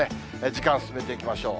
時間進めていきましょう。